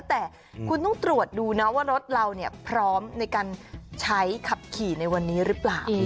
แต่คุณต้องตรวจดูนะว่ารถเราพร้อมในการใช้ขับขี่ในวันนี้หรือเปล่า